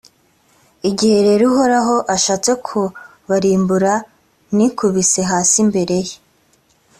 igihe rero uhoraho ashatse kubarimbura, nikubise hasi imbere ye,